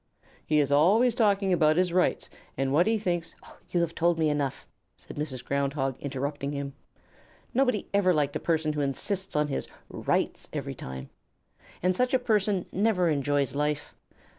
He is always talking about his rights and what he thinks " "You have told me enough," said Mrs. Ground Hog, interrupting him. "Nobody ever liked a person who insists on his 'rights' every time. And such a person never enjoys life.